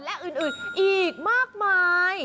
และอื่นอีกมากมาย